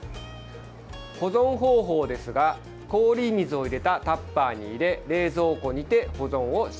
保存方法ですが氷水を入れたタッパーに入れ冷蔵庫にて保存をしてください。